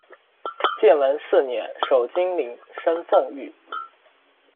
建文四年，守金陵，升奉御。